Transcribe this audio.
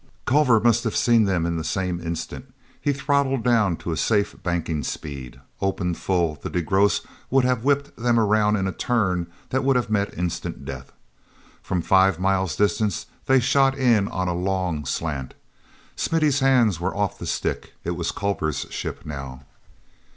ulver must have seen them in the same instant. He throttled down to a safe banking speed. Opened full, the DeGrosse would have whipped them around in a turn that would have meant instant death. From five miles distant they shot in on a long slant. Smithy's hands were off the stick. It was Culver's ship now.